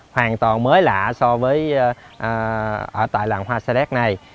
hoàn toàn mới lạ so với ở tại làng hoa sa đéc này